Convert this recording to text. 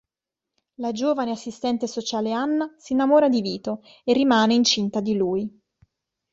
La giovane assistente sociale Anna si innamora di Vito e rimane incinta di lui.